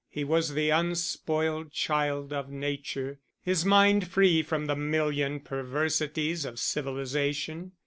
He was the unspoiled child of nature; his mind free from the million perversities of civilisation.